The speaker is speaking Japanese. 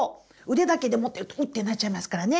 腕だけで持ってるとウッてなっちゃいますからね。